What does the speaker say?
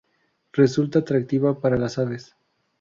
Resulta atractiva para las aves.